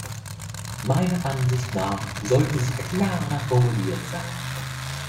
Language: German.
Meiner Ansicht nach sollte sie klarer formuliert sein.